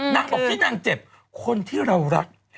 บอกที่นางเจ็บคนที่เรารัก